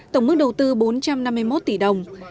tổng mức đầu tư bốn trăm năm mươi một tỷ đồng